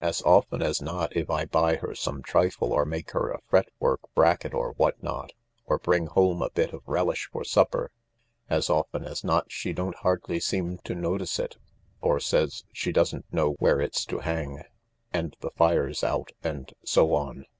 As often as not if I buy her some trifle, or make her a fretwork bracket or what not, or bring home a bit of relish for supper, as often as not she don't hardly seem to notice it, or says she doesn't know where it's to hang, and the fire's out, and so on.